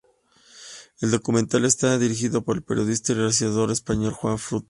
El documental está dirigido por el periodista y realizador español Juan Frutos.